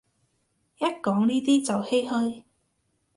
一講呢啲就唏噓